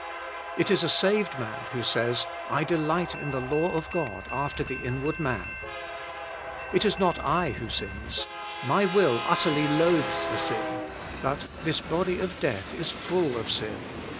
It is a saved man who says, "I delight in the law of God after the inward man." It is not I who sins; my will utterly loathes the sin, but this body of death is full of sin.